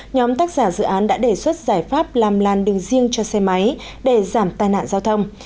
nhóm tác giả dự án đã đề xuất giải pháp làm làn đường riêng cho xe máy để giảm tai nạn giao thông